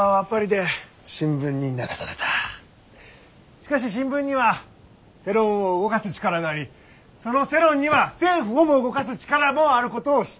しかし新聞には世論を動かす力がありその世論には政府をも動かす力もあることを知った。